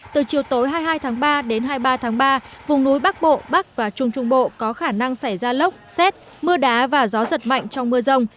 từ chiều tối hai mươi hai tháng ba đến hai mươi ba tháng ba vùng núi bắc bộ bắc và trung trung bộ có khả năng xảy ra lốc xét mưa đá và gió giật mạnh trong mưa rông